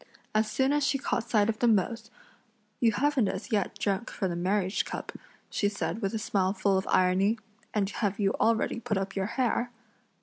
As soon as she caught sight of them both: "You haven't as yet drunk from the marriage cup," she said with a smile full of irony, "and have you already put up your hair?"